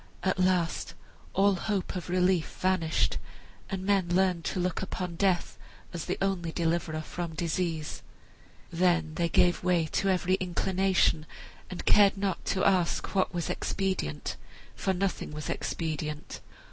At last all hope of relief vanished, and men learned to look upon death as the only deliverer from disease. Then they gave way to every inclination, and cared not to ask what was expedient, for nothing was expedient.